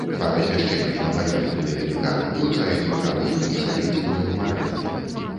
Па размяшчэнні на паверхні ледавіка вылучаюць бакавую і сярэдзінную марэны.